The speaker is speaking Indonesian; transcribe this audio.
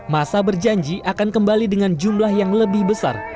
masa berjanji akan kembali dengan jumlah yang lebih besar